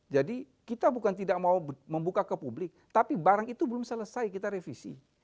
jadi kita bukan tidak mau membuka ke publik tapi barang itu belum selesai kita revisi